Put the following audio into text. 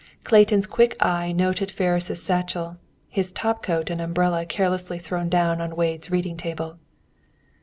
Clayton's quick eye noted Ferris' satchel, his top coat and umbrella carelessly thrown down on Wade's reading table.